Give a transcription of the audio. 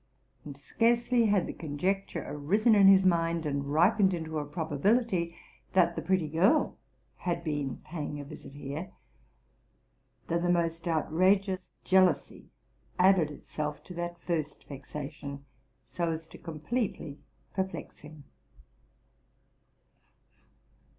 Andscarcely had the conjecture arisen in his mind, and ripened into a probability, that the pretty girl had been paying a visit here, than the most outrageous jealousy added itself to that first vexation, so as completely to perplex him.